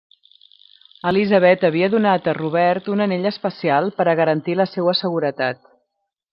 Elizabeth havia donat a Robert un anell especial per a garantir la seua seguretat.